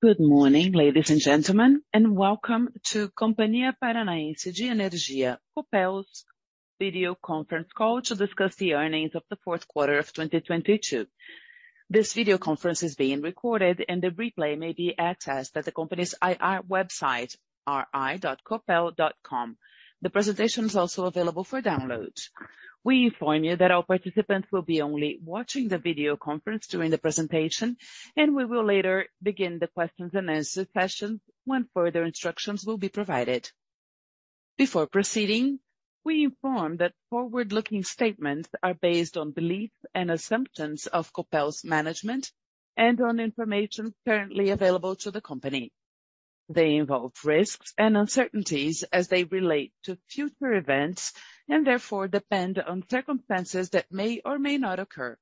Good morning, ladies and gentlemen, and welcome to Companhia Paranaense de Energia, Copel's video conference call to discuss the earnings of the Q4 of 2022. This video conference is being recorded and the replay may be accessed at the company's IR website, ri.copel.com. The presentation is also available for download. We inform you that all participants will be only watching the video conference during the presentation, and we will later begin the questions and answer session when further instructions will be provided. Before proceeding, we inform that forward-looking statements are based on beliefs and assumptions of Copel's management and on information currently available to the company. They involve risks and uncertainties as they relate to future events, and therefore depend on circumstances that may or may not occur.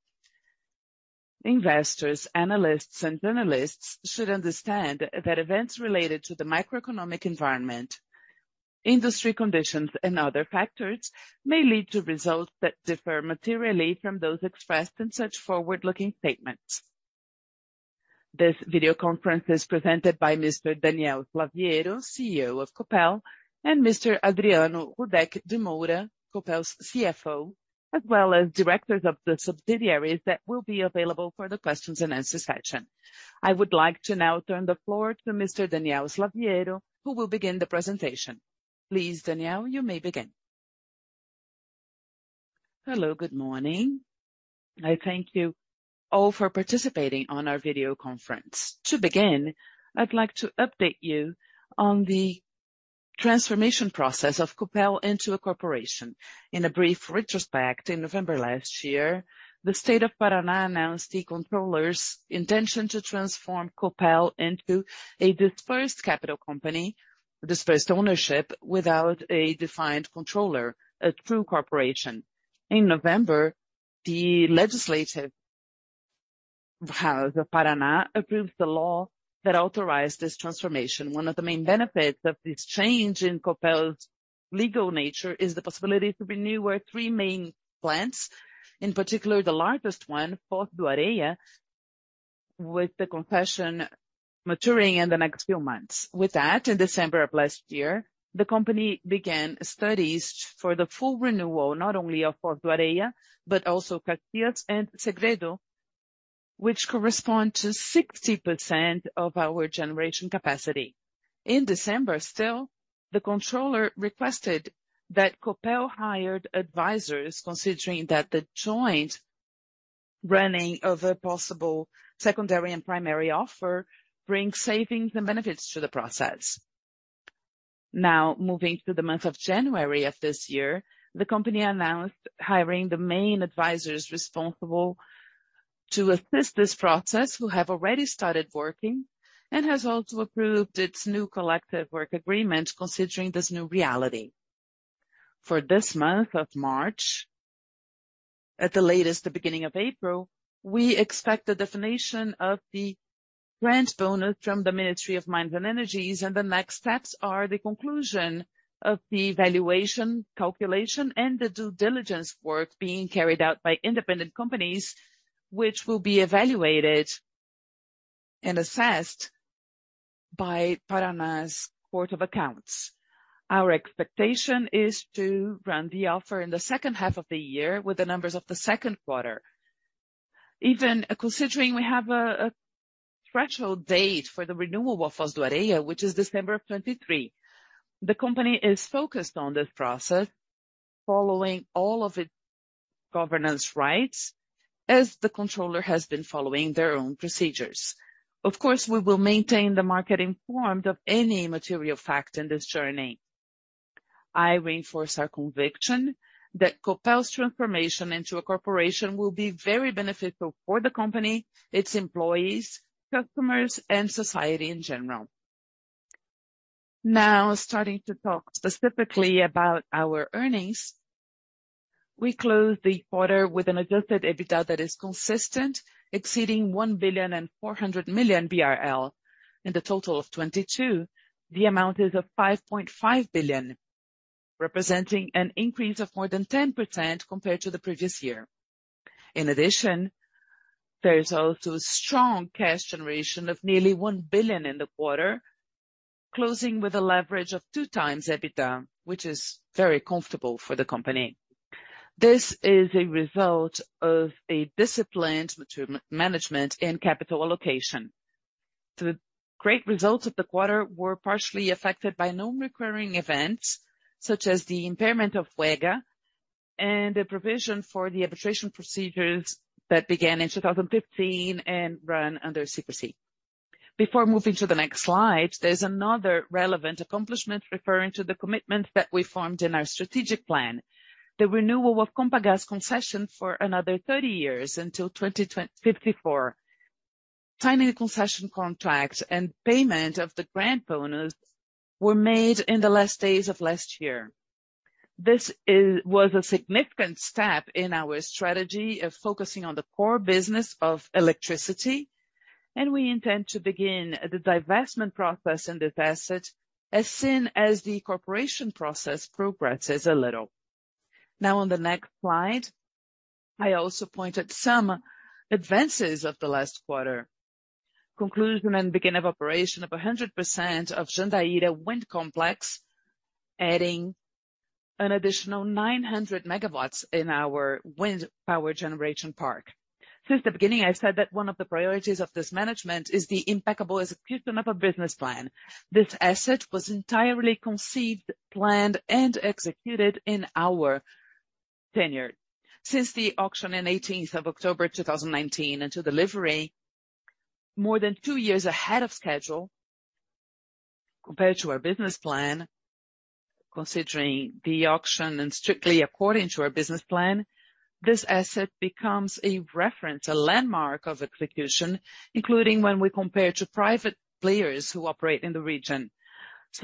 Investors, analysts, and journalists should understand that events related to the microeconomic environment, industry conditions, and other factors may lead to results that differ materially from those expressed in such forward-looking statements. This video conference is presented by Mr. Daniel Slaviero, CEO of Copel, and Mr. Adriano Rudek de Moura, Copel's CFO, as well as directors of the subsidiaries that will be available for the questions and answer session. I would like to now turn the floor to Mr. Daniel Slaviero, who will begin the presentation. Please, Daniel, you may begin. Hello, good morning. I thank you all for participating on our video conference. To begin, I'd like to update you on the transformation process of Copel into a corporation. In a brief retrospect, in November last year, the state of Paraná announced the controller's intention to transform Copel into a dispersed capital company, dispersed ownership without a defined controller, a true corporation. In November, the legislative house of Paraná approved the law that authorized this transformation. One of the main benefits of this change in Copel's legal nature is the possibility to renew our three main plants, in particular, the largest one, Foz do Areia, with the concession maturing in the next few months. With that, in December of last year, the company began studies for the full renewal, not only of Foz do Areia, but also Caxias and Segredo, which correspond to 60% of our generation capacity. In December still, the controller requested that Copel hired advisors, considering that the joint running of a possible secondary and primary offer brings savings and benefits to the process. Moving to the month of January of this year, the company announced hiring the main advisors responsible to assist this process, who have already started working and has also approved its new collective work agreement considering this new reality. For this month of March, at the latest the beginning of April, we expect the definition of the grant bonus from the Ministry of Mines and Energy. The next steps are the conclusion of the valuation calculation and the due diligence work being carried out by independent companies, which will be evaluated and assessed by Paraná's Court of Accounts. Our expectation is to run the offer in the second half of the year with the numbers of the Q2. Even considering we have a threshold date for the renewable Foz do Areia, which is December of 2023. The company is focused on this process, following all of its governance rights as the controller has been following their own procedures. Of course, we will maintain the market informed of any material fact in this journey. I reinforce our conviction that Copel's transformation into a corporation will be very beneficial for the company, its employees, customers, and society in general. Starting to talk specifically about our earnings, we closed the quarter with an adjusted EBITDA that is consistent, exceeding 1.4 billion. In the total of 2022, the amount is of 5.5 billion, representing an increase of more than 10% compared to the previous year. In addition, there is also a strong cash generation of nearly 1 billion in the quarter, closing with a leverage of 2 times EBITDA, which is very comfortable for the company. This is a result of a disciplined management and capital allocation. The great results of the quarter were partially affected by non-recurring events, such as the impairment of UEGA and the provision for the arbitration procedures that began in 2015 and run under secrecy. Before moving to the next slide, there's another relevant accomplishment referring to the commitments that we formed in our strategic plan. The renewal of Compagas concession for another 30 years until 2054. Signing the concession contract and payment of the grant bonus were made in the last days of last year. This was a significant step in our strategy of focusing on the core business of electricity, and we intend to begin the divestment process in this asset as soon as the corporation process progresses a little. Now on the next slide. I also pointed some advances of the last quarter. Conclusion and beginning of operation of 100% of Jandaíra wind complex, adding an additional 900 MW in our wind power generation park. Since the beginning, I've said that one of the priorities of this management is the impeccable execution of a business plan. This asset was entirely conceived, planned, and executed in our tenure. Since the auction in October 18, 2019 until delivery, more than two years ahead of schedule compared to our business plan, considering the auction and strictly according to our business plan, this asset becomes a reference, a landmark of execution, including when we compare to private players who operate in the region.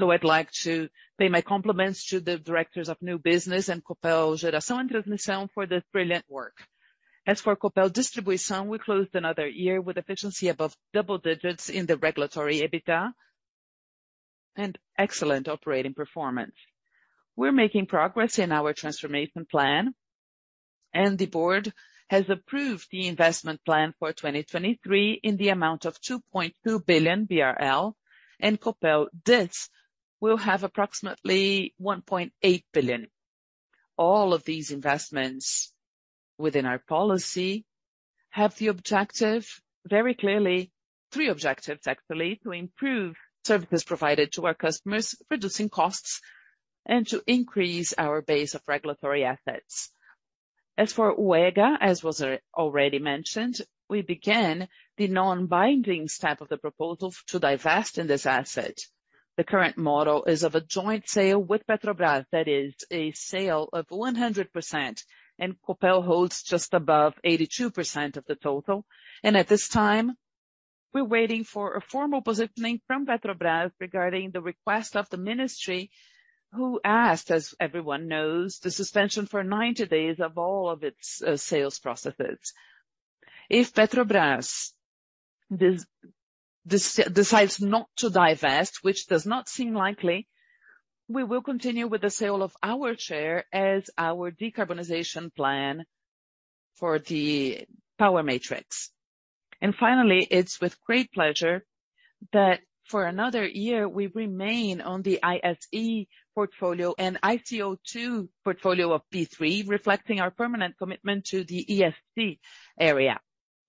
I'd like to pay my compliments to the directors of new business and Copel Geração e Transmissão for the brilliant work. As for Copel Distribuição, we closed another year with efficiency above double digits in the regulatory EBITDA and excellent operating performance. We're making progress in our transformation plan. The board has approved the investment plan for 2023 in the amount of 2.2 billion BRL. Copel DIS will have approximately 1.8 billion. All of these investments within our policy have the objective, very clearly, three objectives actually, to improve services provided to our customers, reducing costs, and to increase our base of regulatory assets. As for UEGA, as was already mentioned, we began the non-binding step of the proposal to divest in this asset. The current model is of a joint sale with Petrobras that is a sale of 100%, and Copel holds just above 82% of the total. At this time, we're waiting for a formal positioning from Petrobras regarding the request of the ministry, who asked, as everyone knows, the suspension for 90 days of all of its sales processes. If Petrobras decides not to divest, which does not seem likely, we will continue with the sale of our share as our decarbonization plan for the power matrix. Finally, it's with great pleasure that for another year, we remain on the ISE portfolio and ICO2 portfolio of B3, reflecting our permanent commitment to the ESG area.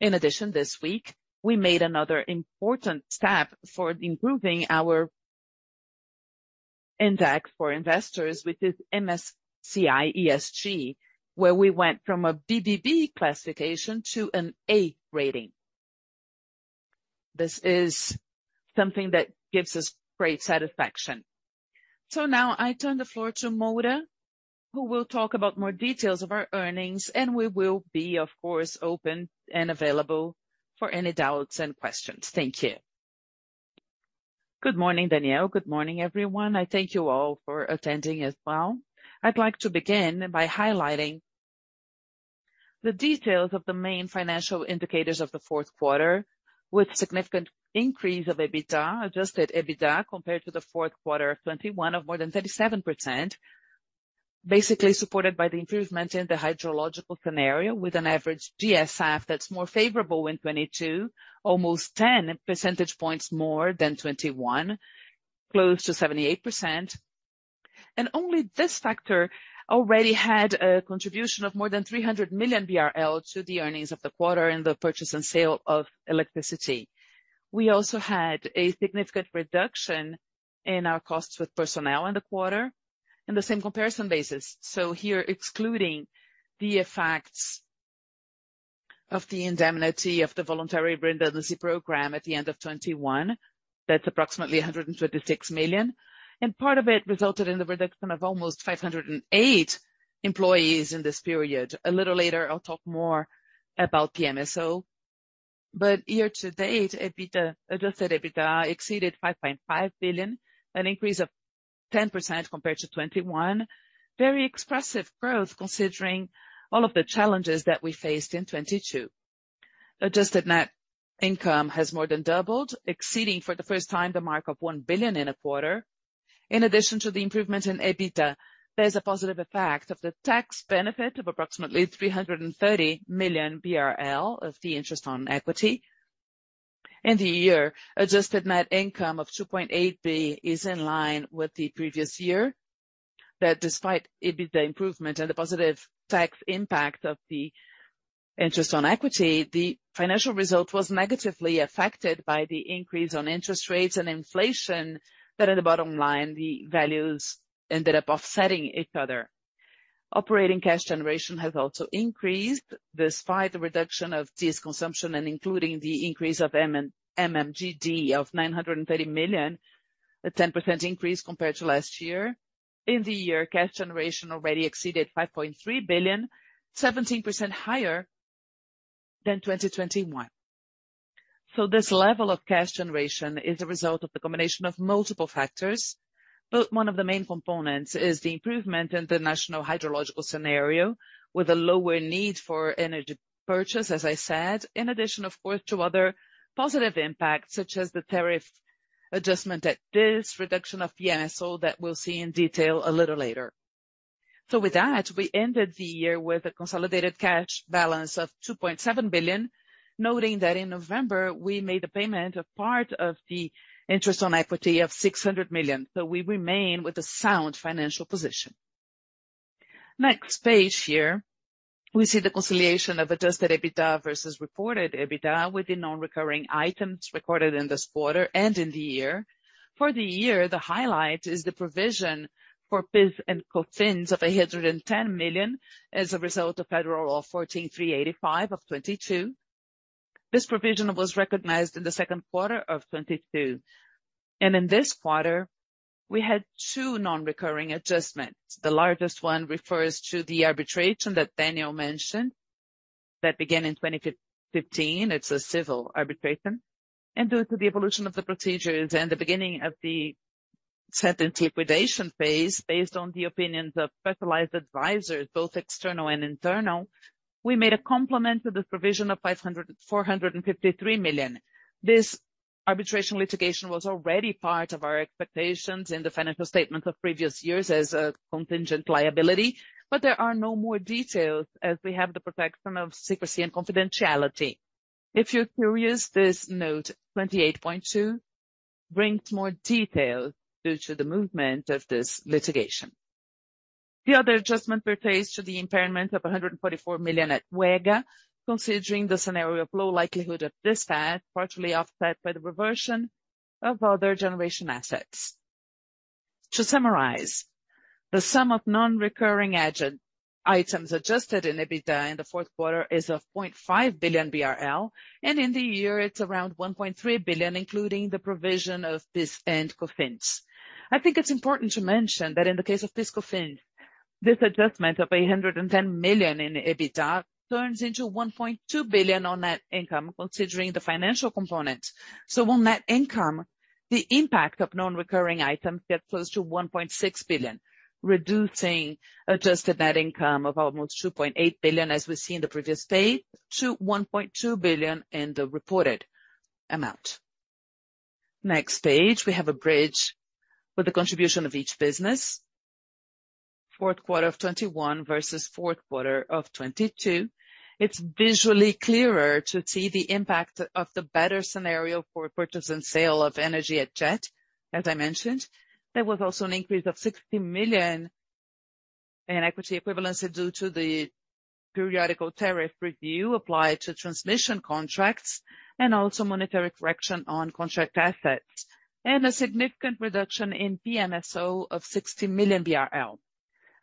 In addition, this week, we made another important step for improving our index for investors with this MSCI ESG, where we went from a BBB classification to an A rating. This is something that gives us great satisfaction. Now I turn the floor to Moura, who will talk about more details of our earnings, and we will be, of course, open and available for any doubts and questions. Thank you. Good morning, Daniel. Good morning, everyone. I thank you all for attending as well. I'd like to begin by highlighting the details of the main financial indicators of the Q4 with significant increase of EBITDA, adjusted EBITDA, compared to the Q4 of 2021 of more than 37%. Basically supported by the improvement in the hydrological scenario with an average GSF that's more favorable in 2022, almost 10 percentage points more than 2021, close to 78%. Only this factor already had a contribution of more than 300 million BRL to the earnings of the quarter in the purchase and sale of electricity. We also had a significant reduction in our costs with personnel in the quarter in the same comparison basis. Here, excluding the effects of the indemnity of the voluntary redundancy program at the end of 2021. That's approximately 126 million. Part of it resulted in the reduction of almost 508 employees in this period. A little later, I'll talk more about the PMSO. Year-to-date, EBITDA, adjusted EBITDA exceeded 5.5 billion, an increase of 10% compared to 2021. Very expressive growth considering all of the challenges that we faced in 2022. Adjusted net income has more than doubled, exceeding for the first time the mark of 1 billion in a quarter. In addition to the improvement in EBITDA, there's a positive effect of the tax benefit of approximately 330 million BRL of the interest on equity. In the year, adjusted net income of 2.8 billion is in line with the previous year. Despite EBITDA improvement and the positive tax impact of the interest on equity, the financial result was negatively affected by the increase on interest rates and inflation, but in the bottom line, the values ended up offsetting each other. Operating cash generation has also increased despite the reduction of TS consumption and including the increase of MMGD of 930 million, a 10% increase compared to last year. In the year, cash generation already exceeded 5.3 billion, 17% higher than 2021. This level of cash generation is a result of the combination of multiple factors, but one of the main components is the improvement in the national hydrological scenario with a lower need for energy purchase, as I said, in addition, of course to other positive impacts, such as the tariff adjustment at this reduction of PMSO that we'll see in detail a little later. With that, we ended the year with a consolidated cash balance of 2.7 billion, noting that in November we made a payment of part of the interest on equity of 600 million. We remain with a sound financial position. Next page here, we see the consolidation of adjusted EBITDA versus reported EBITDA with the non-recurring items recorded in this quarter and in the year. For the year, the highlight is the provision for PIS and COFINS of 110 million as a result of Federal Law 14,385/2022. This provision was recognized in the Q2 of 2022. In this quarter we had two non-recurring adjustments. The largest one refers to the arbitration that Daniel mentioned that began in 2015. It's a civil arbitration. Due to the evolution of the procedures and the beginning of the set interpretation phase, based on the opinions of specialized advisors, both external and internal, we made a complement to the provision of 453 million. This arbitration litigation was already part of our expectations in the financial statements of previous years as a contingent liability. There are no more details as we have the protection of secrecy and confidentiality. If you're curious, this note 28.2 brings more detail due to the movement of this litigation. The other adjustment pertains to the impairment of 144 million at UEGA, considering the scenario of low likelihood of this fact, partially offset by the reversion of other generation assets. To summarize, the sum of non-recurring items adjusted in EBITDA in the Q4 is of 0.5 billion BRL, and in the year it's around 1.3 billion, including the provision of PIS and COFINS. I think it's important to mention that in the case of PIS COFINS, this adjustment of 110 million in EBITDA turns into 1.2 billion on net income, considering the financial component. On net income, the impact of non-recurring items gets close to 1.6 billion, reducing adjusted net income of almost 2.8 billion, as we see in the previous page, to 1.2 billion in the reported amount. Next page, we have a bridge with the contribution of each business. Q4 of 2021 versus Q4 of 2022. It is visually clearer to see the impact of the better scenario for purchase and sale of energy at GeT. As I mentioned, there was also an increase of 60 million in equity equivalents due to the periodical tariff review applied to transmission contracts and also monetary correction on contract assets, and a significant reduction in PMSO of 60 million BRL.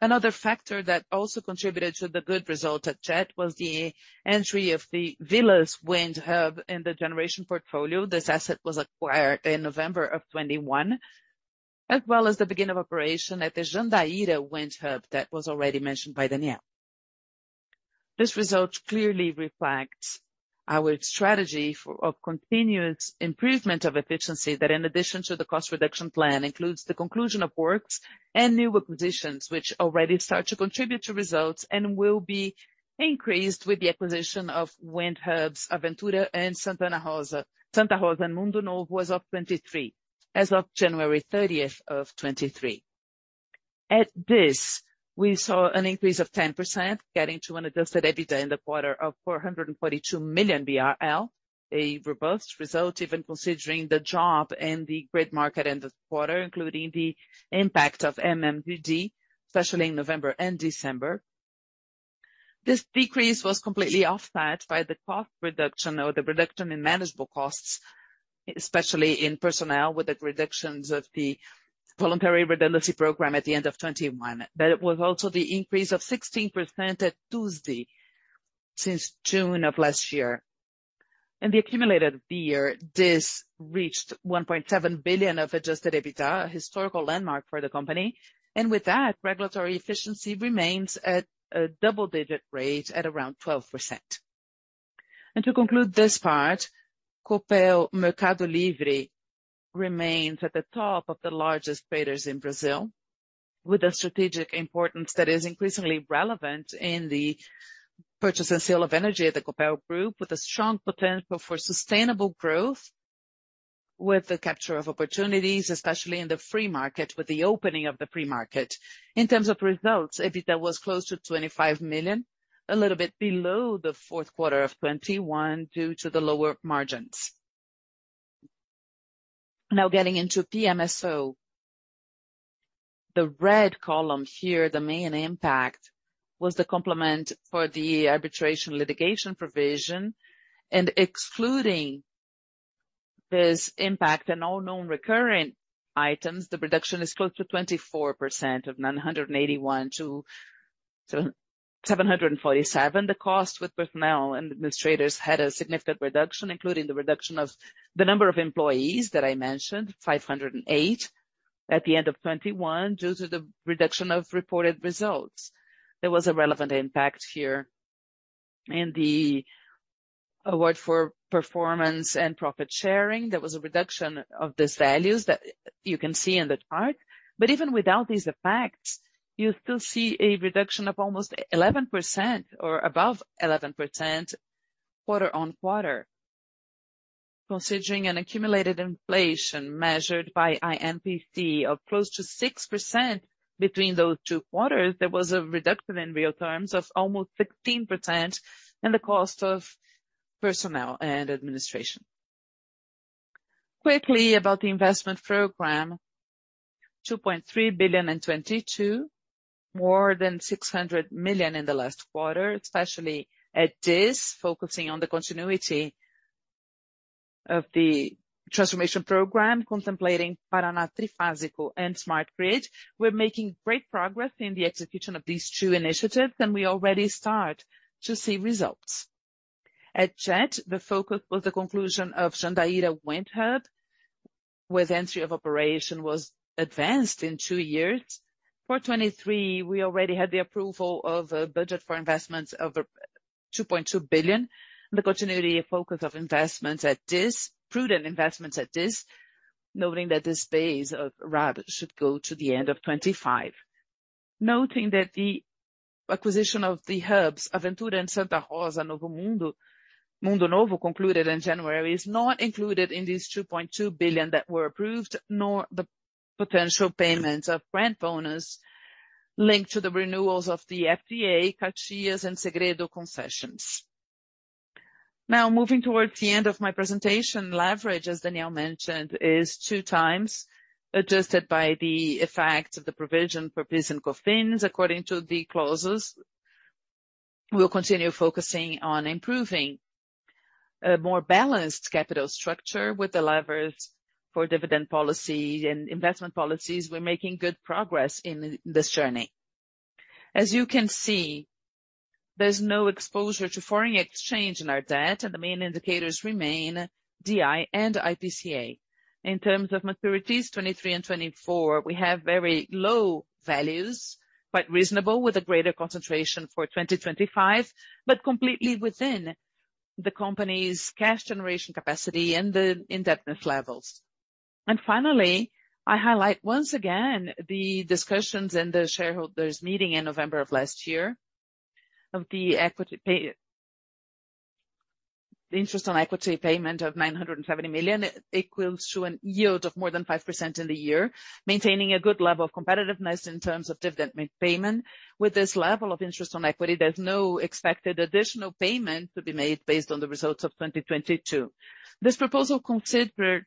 Another factor that also contributed to the good result at GeT was the entry of the Vilas wind hub in the generation portfolio. This asset was acquired in November of 2021, as well as the beginning of operation at the Jandaíra wind hub that was already mentioned by Daniel. This result clearly reflects our strategy of continuous improvement of efficiency that, in addition to the cost reduction plan, includes the conclusion of works and new acquisitions, which already start to contribute to results and will be increased with the acquisition of wind hubs Aventura and Santa Rosa & Mundo Novo as of January 30th of 2023. At this, we saw an increase of 10% getting to an adjusted EBITDA in the quarter of 442 million BRL, a robust result even considering the drop in the grid market in this quarter, including the impact of MMGD, especially in November and December. This decrease was completely offset by the cost reduction or the reduction in manageable costs, especially in personnel, with the reductions of the voluntary redundancy program at the end of 2021. There was also the increase of 16% at TUSD since June of last year. In the accumulated year, this reached 1.7 billion of adjusted EBITDA, a historical landmark for the company. With that, regulatory efficiency remains at a double-digit rate at around 12%. To conclude this part, Copel Mercado Livre remains at the top of the largest traders in Brazil with a strategic importance that is increasingly relevant in the purchase and sale of energy at the Copel group, with a strong potential for sustainable growth, with the capture of opportunities, especially in the free market, with the opening of the free market. In terms of results, EBITDA was close to 25 million, a little bit below the Q4 of 2021 due to the lower margins. Getting into PMSO. The red column here, the main impact was the complement for the arbitration litigation provision. Excluding this impact and all known recurring items, the reduction is close to 24% of 981 to 747. The cost with personnel and administrators had a significant reduction, including the reduction of the number of employees that I mentioned, 508 at the end of 2021, due to the reduction of reported results. There was a relevant impact here in the award for performance and profit sharing. There was a reduction of these values that you can see in the chart. Even without these effects, you still see a reduction of almost 11% or above 11% quarter-on-quarter. Considering an accumulated inflation measured by INPC of close to 6% between those two quarters, there was a reduction in real terms of almost 16% in the cost of personnel and administration. Quickly about the investment program, 2.3 billion in 2022. More than 600 million in the last quarter, especially at DIS, focusing on the continuity of the transformation program, contemplating Paraná Trifásico and Smart Grid. We're making great progress in the execution of these two initiatives, and we already start to see results. At GeT, the focus was the conclusion of Jandaíra Wind Hub, where the entry of operation was advanced in two years. For 2023, we already had the approval of a budget for investments over 2.2 billion. The continuity of focus of investments at DIS, prudent investments at DIS, noting that this phase of RAD should go to the end of 2025. Noting that the acquisition of the hubs Aventura and Santa Rosa Mundo Novo concluded in January is not included in these 2.2 billion that were approved, nor the potential payments of brand bonus linked to the renewals of the FDA Caxias and Segredo concessions. Moving towards the end of my presentation. Leverage, as Daniel mentioned, is 2 times adjusted by the effect of the provision for PIS/COFINS according to the clauses. We'll continue focusing on improving a more balanced capital structure with the levers for dividend policy and investment policies. We're making good progress in this journey. As you can see, there's no exposure to foreign exchange in our debt, and the main indicators remain DI and IPCA. In terms of maturities, 2023 and 2024, we have very low values, quite reasonable, with a greater concentration for 2025, but completely within the company's cash generation capacity and the indebtedness levels. Finally, I highlight once again the discussions in the shareholders meeting in November of last year of the interest on equity payment of 970 million equals to a yield of more than 5% in the year, maintaining a good level of competitiveness in terms of dividend made payment. With this level of interest on equity, there's no expected additional payment to be made based on the results of 2022. This proposal considered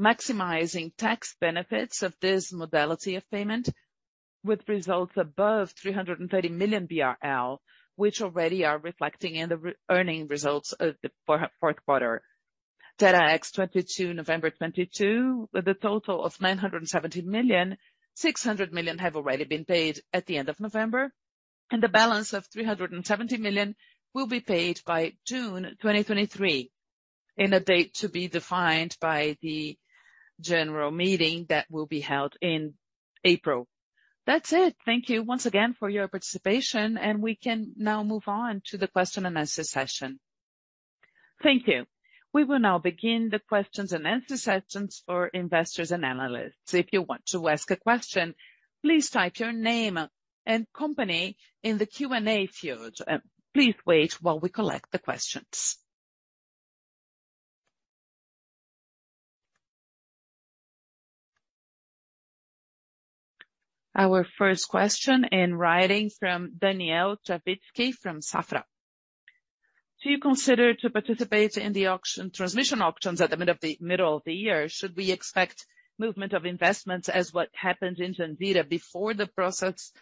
maximizing tax benefits of this modality of payment, with results above 330 million BRL, which already are reflecting in the earning results of the Q4. Tera X 2022, November 2022, with a total of 970 million. 600 million have already been paid at the end of November, and the balance of 370 million will be paid by June 2023, in a date to be defined by the general meeting that will be held in April. That's it. Thank you once again for your participation, and we can now move on to the question and answer session. Thank you. We will now begin the questions and answer sessions for investors and analysts. If you want to ask a question, please type your name and company in the Q&A field. Please wait while we collect the questions. Our first question in writing from Daniel Travitzky from Banco Safra. Do you consider to participate in the transmission auctions at the middle of the year? Should we expect movement of investments as what happened in Jandaíra before the process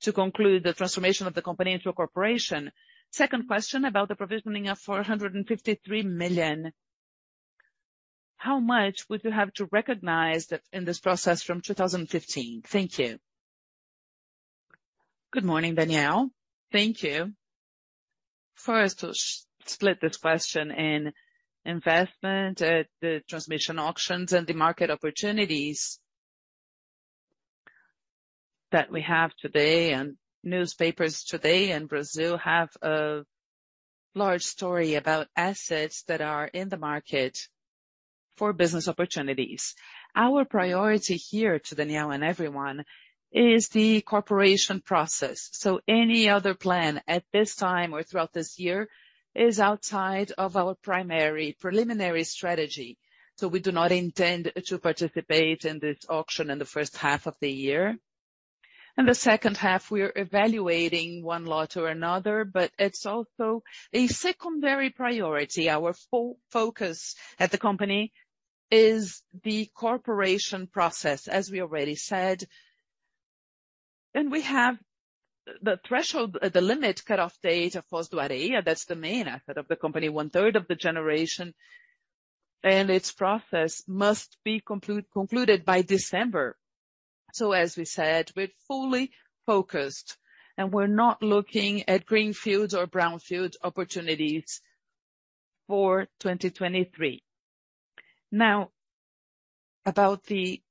to conclude the transformation of the company into a corporation? Second question about the provisioning of 453 million. How much would you have to recognize that in this process from 2015? Thank you. Good morning, Daniel. Thank you. First, to split this question in investment at the transmission auctions and the market opportunities that we have today. Newspapers today in Brazil have a large story about assets that are in the market for business opportunities. Our priority here, to Daniel and everyone, is the corporation process. Any other plan at this time or throughout this year is outside of our primary preliminary strategy. We do not intend to participate in this auction in the first half of the year. In the second half, we are evaluating one lot or another, it's also a secondary priority. Our focus at the company is the corporation process, as we already said. We have the threshold, the limit cut-off date of Foz do Areia. That's the main asset of the company, one-third of the generation, and its process must be concluded by December. As we said, we're fully focused, and we're not looking at greenfields or brownfields opportunities for 2023. About the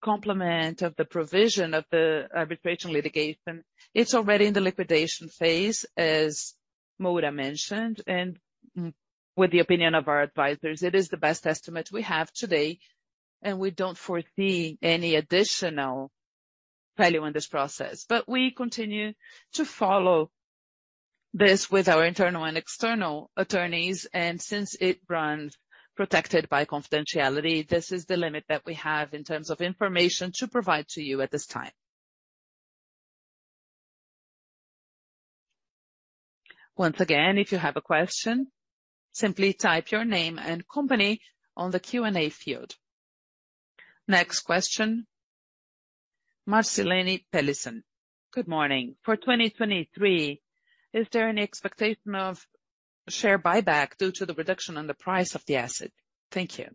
complement of the provision of the arbitration litigation, it's already in the liquidation phase, as Moura mentioned. With the opinion of our advisors, it is the best estimate we have today, and we don't foresee any additional value in this process. We continue to follow this with our internal and external attorneys, and since it runs protected by confidentiality, this is the limit that we have in terms of information to provide to you at this time. Once again, if you have a question, simply type your name and company on the Q&A field. Next question, Marcellini Pellison. Good morning. For 2023, is there any expectation of share buyback due to the reduction in the price of the asset? Thank you.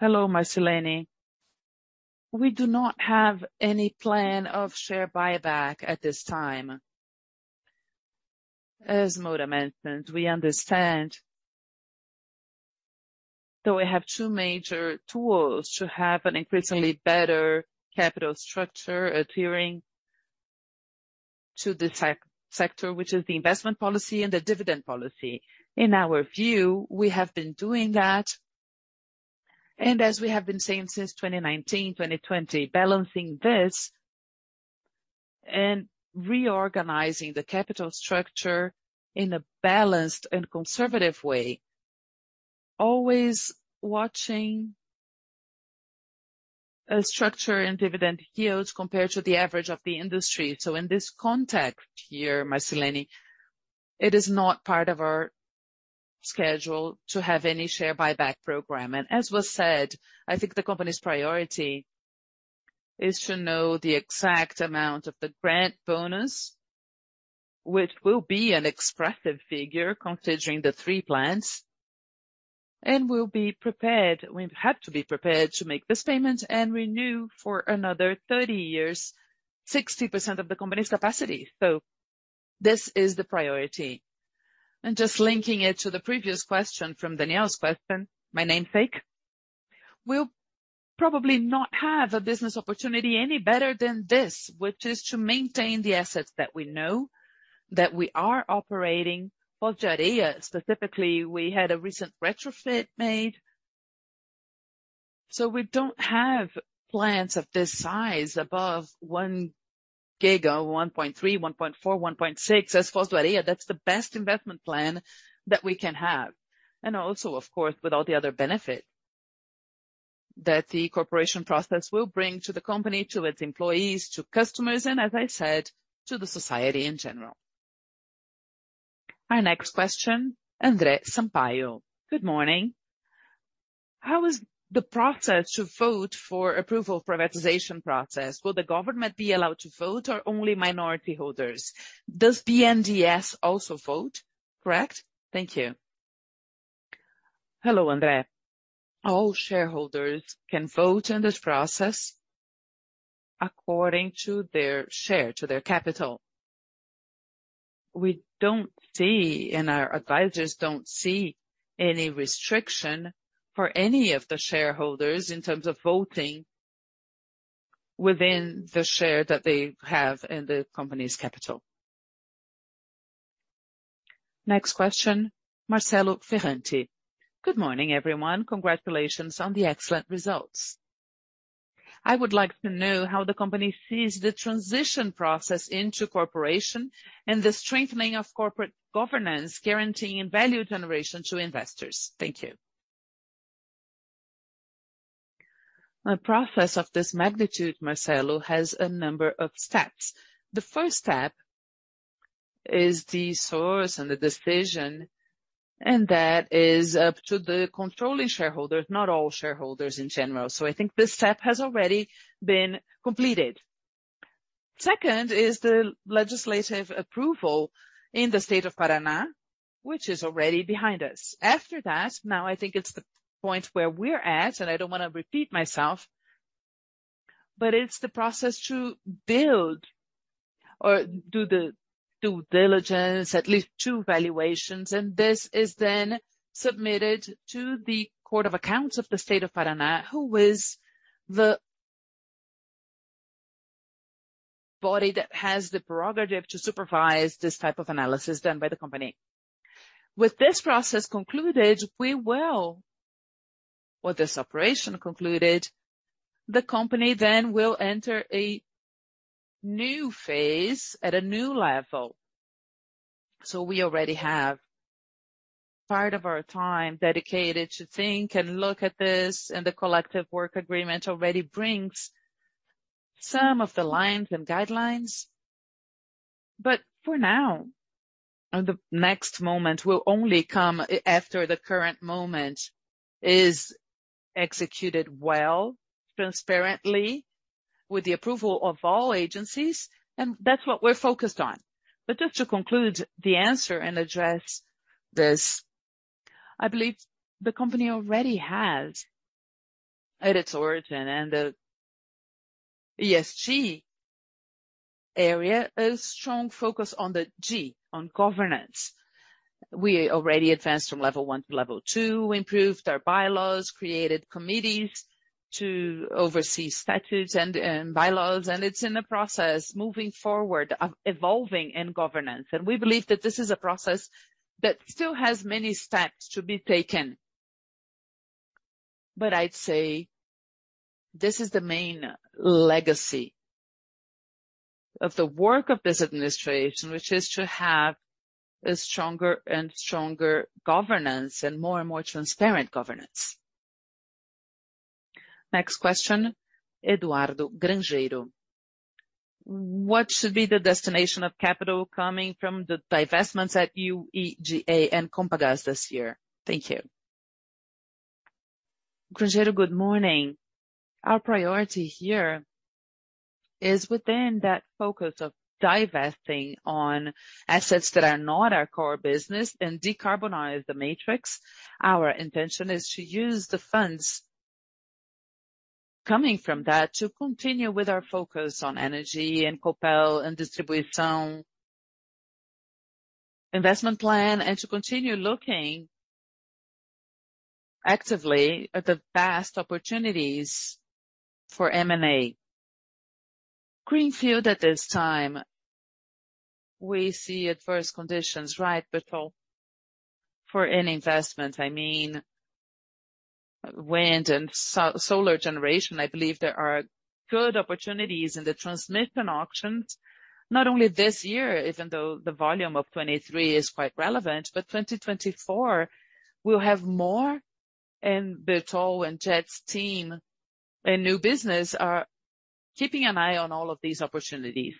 Hello, Marcellini. We do not have any plan of share buyback at this time. As Moura mentioned, we understand that we have two major tools to have an increasingly better capital structure adhering to the sector, which is the investment policy and the dividend policy. In our view, we have been doing that, as we have been saying since 2019, 2020, balancing this and reorganizing the capital structure in a balanced and conservative way, always watching a structure and dividend yields compared to the average of the industry. In this context here, Marcellini, it is not part of our schedule to have any share buyback program. As was said, I think the company's priority is to know the exact amount of the grant bonus, which will be an expressive figure considering the three plans. We'll be prepared. We have to be prepared to make this payment and renew for another 30 years 60% of the company's capacity. This is the priority. Just linking it to the previous question from Daniel's question, my namesake, we'll probably not have a business opportunity any better than this, which is to maintain the assets that we know that we are operating. Foz do Areia specifically, we had a recent retrofit made, we don't have plants of this size above 1 giga, 1.3, 1.4, 1.6. As Foz do Areia, that's the best investment plan that we can have. Also, of course, with all the other benefit that the corporation process will bring to the company, to its employees, to customers, and as I said, to the society in general. Our next question, Andre Sampaio. Good morning. How is the process to vote for approval of privatization process? Will the government be allowed to vote or only minority holders? Does BNDES also vote, correct? Thank you. Hello, Andre. All shareholders can vote in this process according to their share, to their capital. We don't see and our advisors don't see any restriction for any of the shareholders in terms of voting within the share that they have in the company's capital. Next question, Marcelo Ferrante. Good morning, everyone. Congratulations on the excellent results. I would like to know how the company sees the transition process into corporation and the strengthening of corporate governance guaranteeing value generation to investors. Thank you. A process of this magnitude, Marcelo, has a number of steps. The first step is the source and the decision. That is up to the controlling shareholders, not all shareholders in general. I think this step has already been completed. Second is the legislative approval in the state of Paraná, which is already behind us. After that, now I think it's the point where we're at, I don't want to repeat myself, it's the process to build or do the due diligence, at least two valuations. This is then submitted to the Court of Accounts of the State of Paraná, who is the body that has the prerogative to supervise this type of analysis done by the company. With this process concluded, with this operation concluded, the company will enter a new phase at a new level. We already have part of our time dedicated to think and look at this, and the collective work agreement already brings some of the lines and guidelines. For now, the next moment will only come after the current moment is executed well, transparently, with the approval of all agencies, that's what we're focused on. Just to conclude the answer and address this, I believe the company already has at its origin and the ESG area a strong focus on the G, on governance. We already advanced from level one to level two, improved our bylaws, created committees to oversee statutes and bylaws. It's in a process moving forward of evolving in governance. We believe that this is a process that still has many steps to be taken. But I'd say this is the main legacy of the work of this administration, which is to have a stronger and stronger governance and more and more transparent governance. Next question, Eduardo Granjeiro. What should be the destination of capital coming from the divestments at UEGA and Compagas this year? Thank you. Granjeiro, good morning. Our priority here is within that focus of divesting on assets that are not our core business and decarbonize the matrix. Our intention is to use the funds coming from that to continue with our focus on energy and Copel and Distribuição investment plan, and to continue looking actively at the best opportunities for M&A. Greenfield, at this time, we see adverse conditions right, Bertol, for any investment. I mean, wind and solar generation, I believe there are good opportunities in the transmission auctions, not only this year, even though the volume of 23 is quite relevant. 2024 will have more, and Bertol and Jed's team in new business are keeping an eye on all of these opportunities.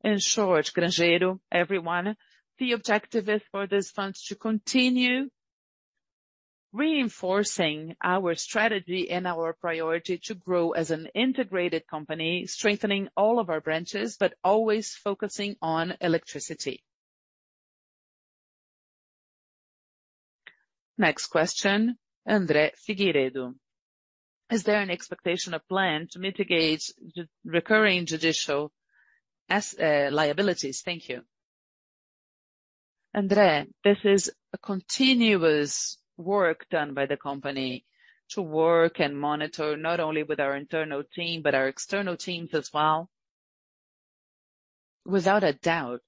In short, Granjeiro, everyone, the objective is for these funds to continue reinforcing our strategy and our priority to grow as an integrated company, strengthening all of our branches, but always focusing on electricity. Next question, André Figueiredo. Is there an expectation or plan to mitigate recurring judicial liabilities? Thank you. Andre, this is a continuous work done by the company to work and monitor not only with our internal team but our external teams as well. Without a doubt,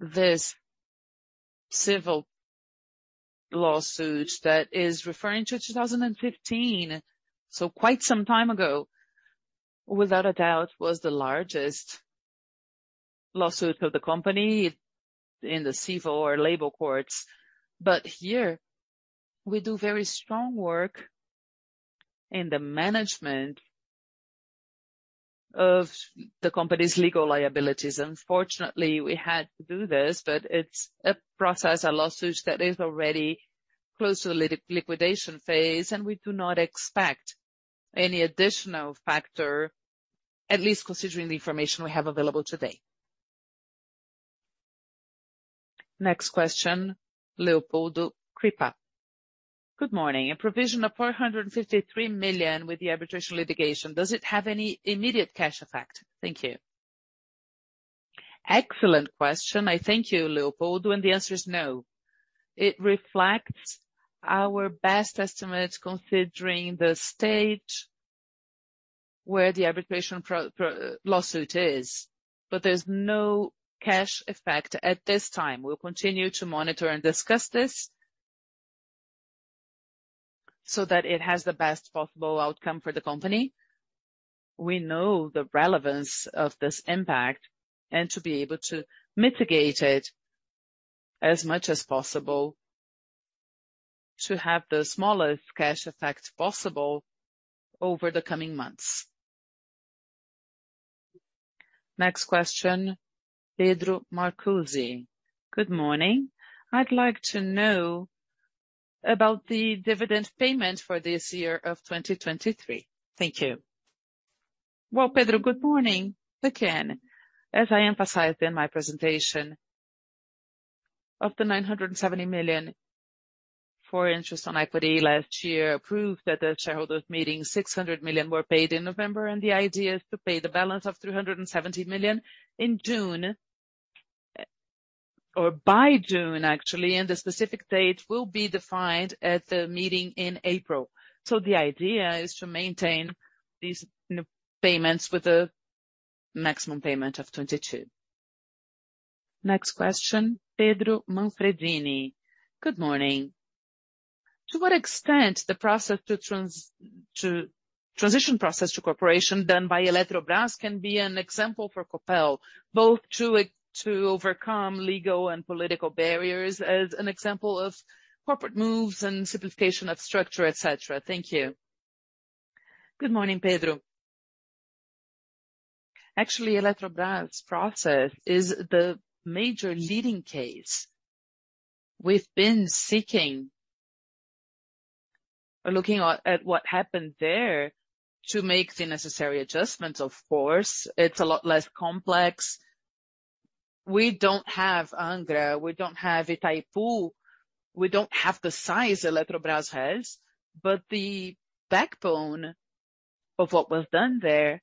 this civil lawsuit that is referring to 2015, so quite some time ago, without a doubt, was the largest lawsuit of the company in the civil or labor courts. Here we do very strong work in the management of the company's legal liabilities. Unfortunately, we had to do this. It's a process, a lawsuit that is already close to the liquidation phase. We do not expect any additional factor, at least considering the information we have available today. Next question, Leopoldo Crippa. Good morning. A provision of 453 million with the arbitration litigation, does it have any immediate cash effect? Thank you. Excellent question. I thank you, Leopoldo. The answer is no. It reflects our best estimates considering the stage where the arbitration lawsuit is. There's no cash effect at this time. We'll continue to monitor and discuss this, that it has the best possible outcome for the company. We know the relevance of this impact. To be able to mitigate it as much as possible to have the smallest cash effect possible over the coming months. Next question, Pedro Marcucci. Good morning. I'd like to know about the dividend payment for this year of 2023. Thank you. Well, Pedro, good morning again. As I emphasized in my presentation, of the 970 million for interest on equity last year approved at the shareholders meeting, 600 million were paid in November, the idea is to pay the balance of BRL 370 million in June, or by June, actually. The specific date will be defined at the meeting in April. The idea is to maintain these, you know, payments with a maximum payment of 22. Next question, Pedro Manfredini. Good morning. To what extent the process to transition process to corporation done by Eletrobras can be an example for Copel, both to overcome legal and political barriers as an example of corporate moves and simplification of structure, et cetera. Thank you. Good morning, Pedro. Actually, Eletrobras process is the major leading case. We've been seeking or looking at what happened there to make the necessary adjustments, of course. It's a lot less complex. We don't have Angra, we don't have Itaipu, we don't have the size Eletrobras has. The backbone of what was done there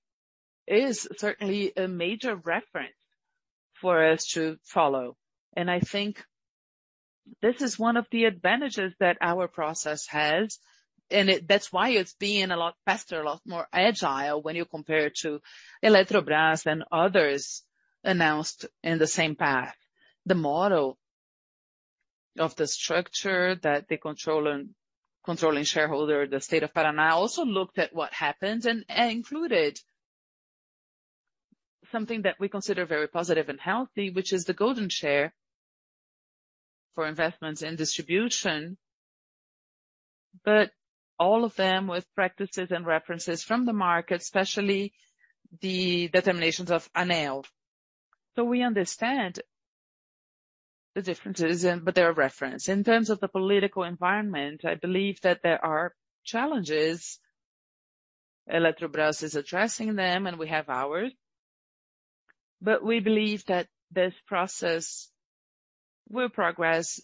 is certainly a major reference for us to follow. I think this is one of the advantages that our process has, and that's why it's being a lot faster, a lot more agile when you compare it to Eletrobras and others-Announced in the same path. The model of the structure that the controller, controlling shareholder, the state of Paraná, also looked at what happened and included something that we consider very positive and healthy, which is the golden share for investments and distribution. All of them with practices and references from the market, especially the determinations of ANEEL. We understand the differences and by their reference. In terms of the political environment, I believe that there are challenges. Eletrobras is addressing them, and we have ours. We believe that this process will progress.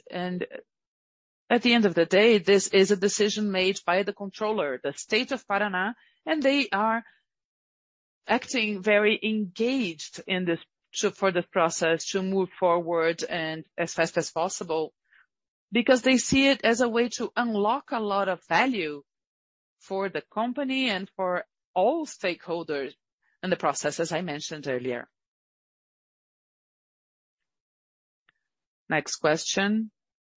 At the end of the day, this is a decision made by the controller, the state of Paraná, and they are acting very engaged in this for this process to move forward and as fast as possible, because they see it as a way to unlock a lot of value for the company and for all stakeholders in the process, as I mentioned earlier. Next question,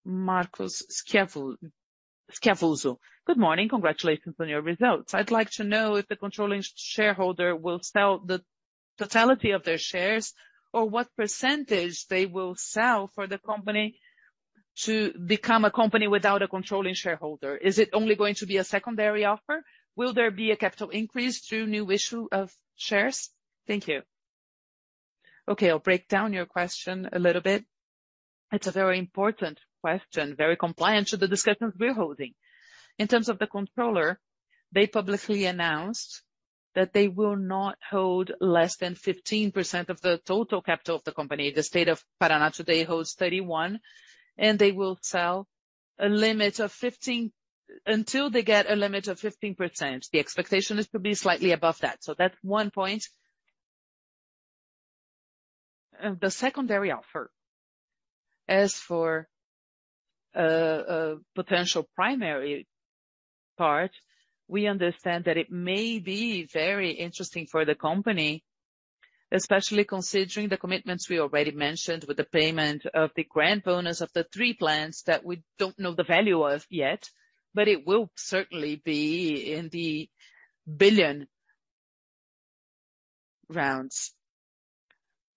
Marcus Scafuzzo. Good morning. Congratulations on your results. I'd like to know if the controlling shareholder will sell the totality of their shares or what percentage they will sell for the company to become a company without a controlling shareholder. Is it only going to be a secondary offer? Will there be a capital increase through new issue of shares? Thank you. I'll break down your question a little bit. It's a very important question, very compliant to the discussions we're holding. In terms of the controller, they publicly announced that they will not hold less than 15% of the total capital of the company. The state of Paraná today holds 31, and they will sell until they get a limit of 15%. The expectation is to be slightly above that. That's one point. The secondary offer. As for potential primary part, we understand that it may be very interesting for the company, especially considering the commitments we already mentioned with the payment of the grant bonus of the three plants that we don't know the value of yet, but it will certainly be in the billion rounds.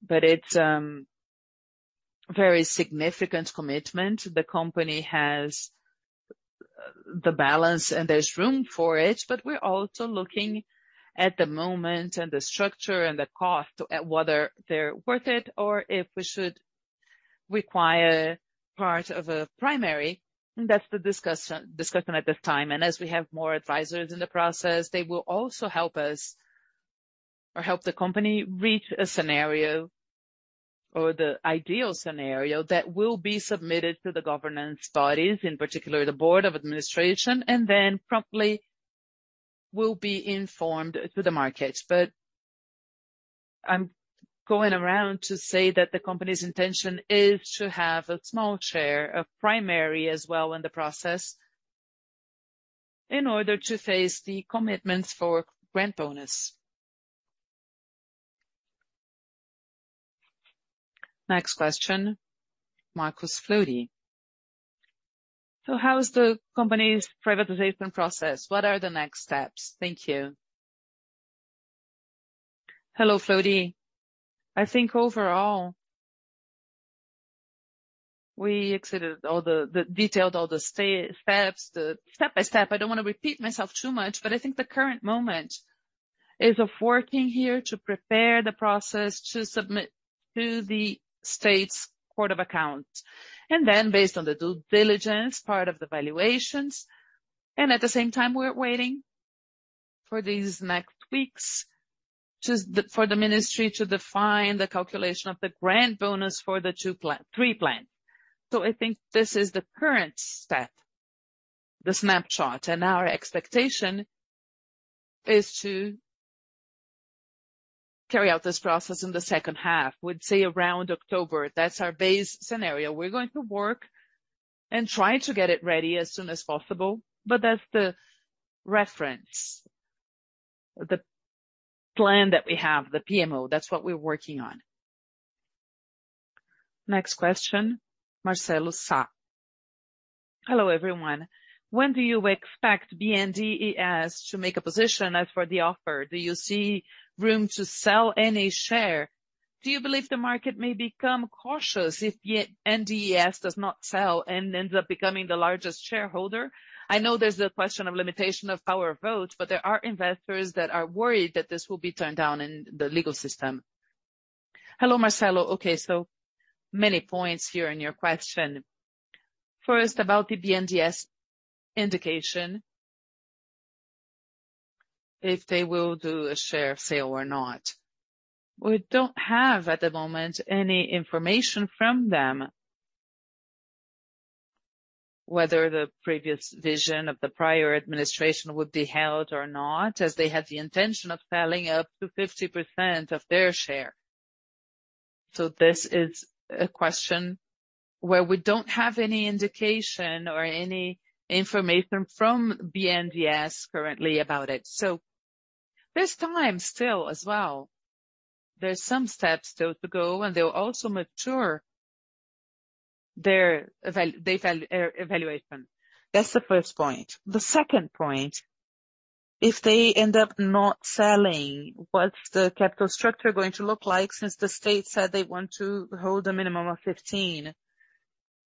It's a very significant commitment. The company has the balance and there's room for it, but we're also looking at the moment and the structure and the cost, at whether they're worth it or if we should require part of a primary. That's the discussion at this time. As we have more advisors in the process, they will also help us or help the company reach a scenario or the ideal scenario that will be submitted to the governance bodies, in particular the board of administration, and then promptly will be informed to the market. I'm going around to say that the company's intention is to have a small share of primary as well in the process in order to face the commitments for grant bonus. Next question, Marcus Faludi. How is the company's privatization process? What are the next steps? Thank you. Hello, Flody. I think overall, we detailed all the steps, the step by step. I don't want to repeat myself too much, I think the current moment is of working here to prepare the process to submit to the State's Court of Accounts. Based on the due diligence part of the valuations, and at the same time, we're waiting for these next weeks for the Ministry to define the calculation of the grant bonus for the 3 plant. I think this is the current step, the snapshot. Our expectation is to carry out this process in the second half, we'd say around October. That's our base scenario. We're going to work and try to get it ready as soon as possible. That's the reference, the plan that we have, the PMO. That's what we're working on. Next question, Marcelo Sá. Hello, everyone. When do you expect BNDES to make a position as for the offer? Do you see room to sell any share? Do you believe the market may become cautious if BNDES does not sell and ends up becoming the largest shareholder? I know there's a question of limitation of power vote, but there are investors that are worried that this will be turned down in the legal system. Hello, Marcelo. Okay, so many points here in your question. First, about the BNDES indication, if they will do a share sale or not. We don't have, at the moment, any information from them whether the previous vision of the prior administration would be held or not, as they had the intention of selling up to 50% of their share. This is a question where we don't have any indication or any information from BNDES currently about it. There's time still as well. There's some steps still to go, and they'll also mature their evaluation. That's the first point. The second point, if they end up not selling, what's the capital structure going to look like since the state said they want to hold a minimum of 15?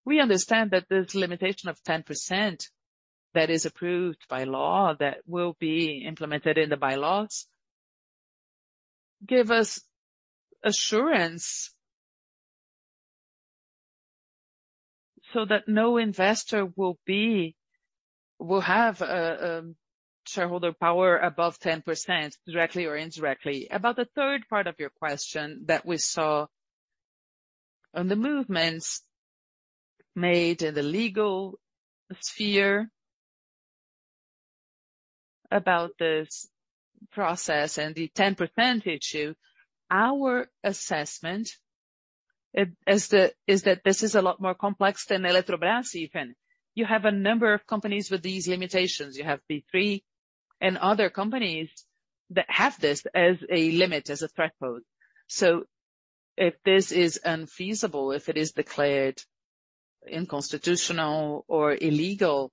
We understand that there's a limitation of 10% that is approved by law that will be implemented in the bylaws. Give us assurance so that no investor will have a shareholder power above 10%, directly or indirectly. About the third part of your question that we saw on the movements made in the legal sphere about this process and the 10% issue, our assessment is that this is a lot more complex than Eletrobras even. You have a number of companies with these limitations. You have P3 and other companies that have this as a limit, as a threshold. If this is unfeasible, if it is declared unconstitutional or illegal,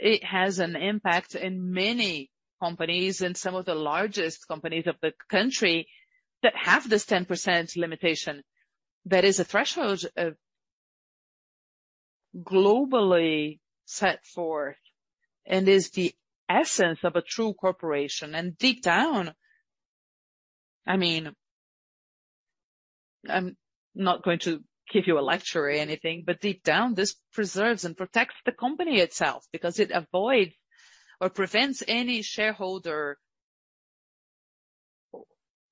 it has an impact in many companies and some of the largest companies of the country that have this 10% limitation. There is a threshold globally set forth and is the essence of a true corporation. Deep down, I mean, I'm not going to give you a lecture or anything, but deep down, this preserves and protects the company itself because it avoids or prevents any shareholder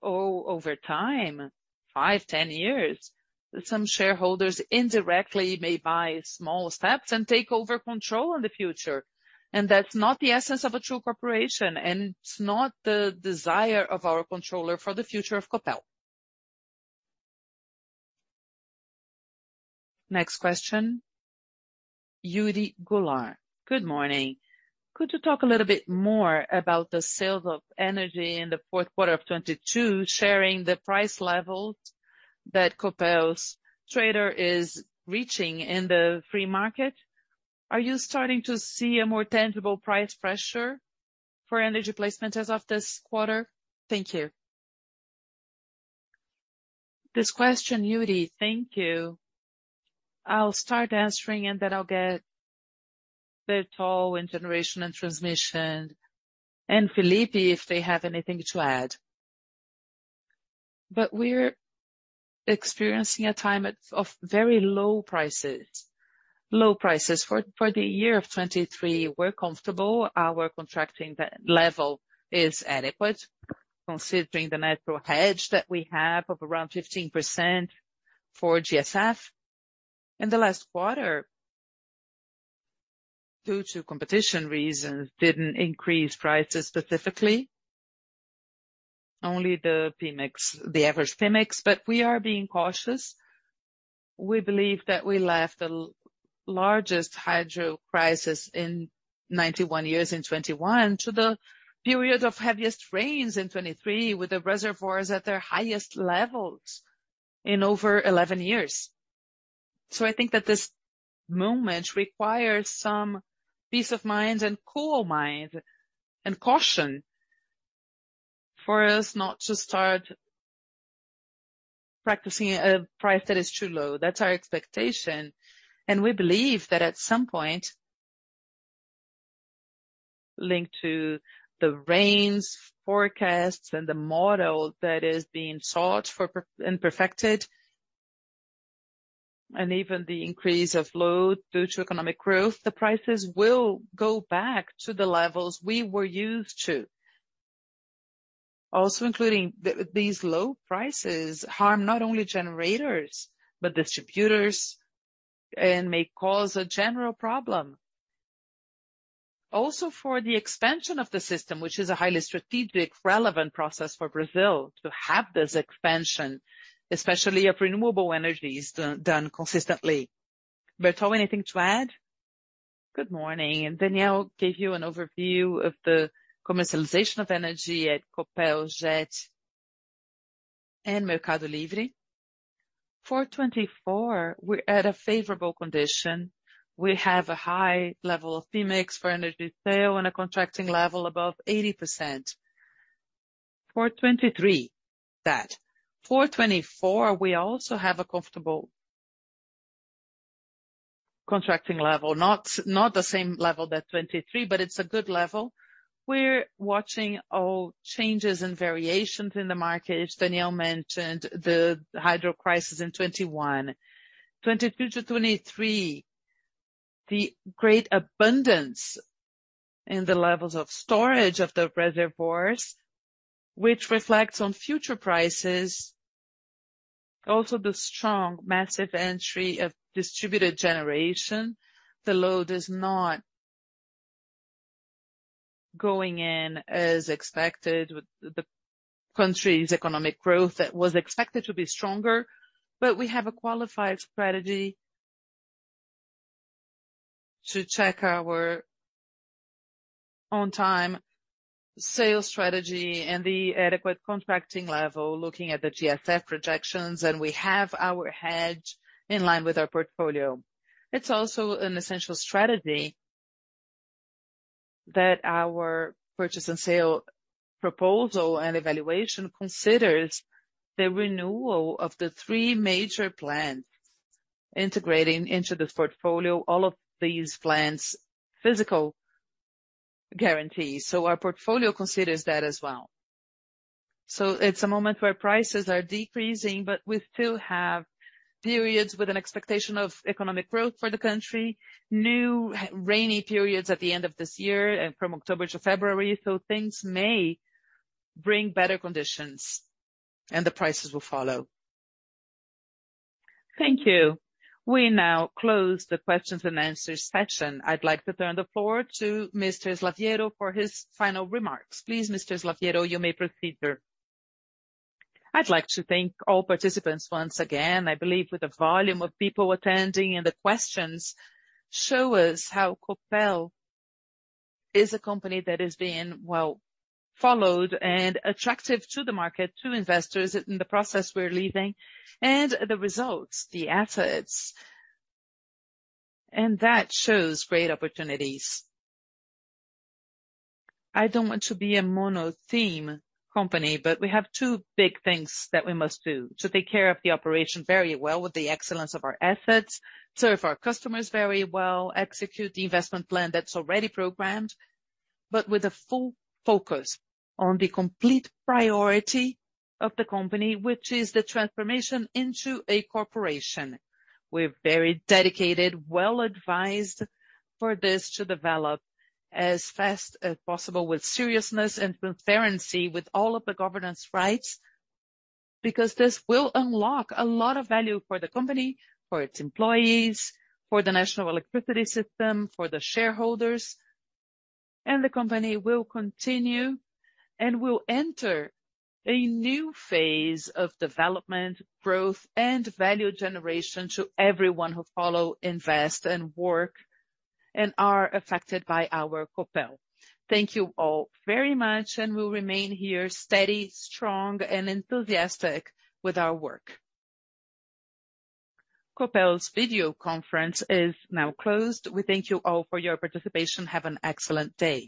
over time, 5, 10 years, some shareholders indirectly may buy small steps and take over control in the future. That's not the essence of a true corporation, and it's not the desire of our controller for the future of Copel. Next question, Yuri Goulart. Good morning. Could you talk a little bit more about the sales of energy in the Q4 of 22, sharing the price level that Copel's trader is reaching in the free market? Are you starting to see a more tangible price pressure for energy placement as of this quarter? Thank you. This question, Yuri, thank you. I'll start answering and then I'll get Bertol in generation and transmission, and Felipe, if they have anything to add. We're experiencing a time of very low prices. Low prices. For the year of 2023, we're comfortable. Our contracting level is adequate considering the natural hedge that we have of around 15% for GSF. In the last quarter, due to competition reasons, didn't increase prices specifically, only the Pmix, the average Pmix. We are being cautious. We believe that we left the largest hydro crisis in 91 years in 2021 to the period of heaviest rains in 2023, with the reservoirs at their highest levels in over 11 years. I think that this movement requires some peace of mind and cool mind and caution for us not to start practicing a price that is too low. That's our expectation. We believe that at some point, linked to the rains, forecasts, and the model that is being sought and perfected, and even the increase of load due to economic growth, the prices will go back to the levels we were used to. Including these low prices harm not only generators, but distributors and may cause a general problem. For the expansion of the system, which is a highly strategic relevant process for Brazil to have this expansion, especially of renewable energies done consistently. Bertol, anything to add? Good morning. Daniel gave you an overview of the commercialization of energy at Copel, Jed, and Mercado Libre. For 2024, we're at a favorable condition. We have a high level of PMix for energy sale and a contracting level above 80%. For 2023, that. For 2024, we also have a comfortable contracting level, not the same level that 2023, but it's a good level. We're watching all changes and variations in the market. Daniel mentioned the hydro crisis in 2021. 2022 to 2023, the great abundance in the levels of storage of the reservoirs, which reflects on future prices. The strong, massive entry of distributed generation. The load is not going in as expected with the country's economic growth, it was expected to be stronger, but we have a qualified strategy to check our on time sales strategy and the adequate contracting level looking at the GSF projections, and we have our hedge in line with our portfolio. It's an essential strategy that our purchase and sale proposal and evaluation considers the renewal of the three major plans integrating into this portfolio all of these plans' physical guarantees. Our portfolio considers that as well. It's a moment where prices are decreasing, but we still have periods with an expectation of economic growth for the country. New rainy periods at the end of this year and from October to February, things may bring better conditions and the prices will follow. Thank you. We now close the questions and answers session. I'd like to turn the floor to Mr. Slaviero for his final remarks. Please, Mr. Slaviero, you may proceed, sir. I'd like to thank all participants once again. I believe with the volume of people attending and the questions show us how Copel is a company that is being, well, followed and attractive to the market, to investors in the process we're leaving and the results, the assets, and that shows great opportunities. I don't want to be a mono-theme company, but we have two big things that we must do to take care of the operation very well with the excellence of our assets. Serve our customers very well, execute the investment plan that's already programmed, but with a full focus on the complete priority of the company, which is the transformation into a corporation. We're very dedicated, well advised for this to develop as fast as possible with seriousness and transparency with all of the governance rights, because this will unlock a lot of value for the company, for its employees, for the national electricity system, for the shareholders. The company will continue and will enter a new phase of development, growth and value generation to everyone who follow, invest and work and are affected by our Copel. Thank you all very much, and we'll remain here steady, strong and enthusiastic with our work. Copel's video conference is now closed. We thank you all for your participation. Have an excellent day.